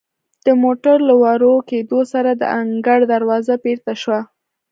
د موټر له ورو کیدو سره د انګړ دروازه بیرته شوه.